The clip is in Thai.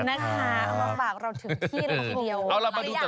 ขอบคุณนะคะเอามาบากเราถึงที่เราทีเดียว